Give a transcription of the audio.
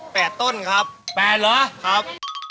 แปดต้นครับครับแปดเหรอครับ